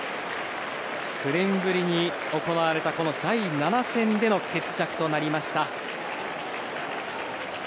９年ぶりに行われた第７戦での決着となりました。